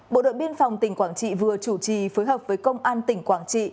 bộ đội biên phòng tỉnh quảng trị vừa chủ trì phối hợp với công an tỉnh quảng trị